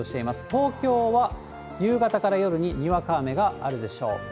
東京は夕方から夜ににわか雨があるでしょう。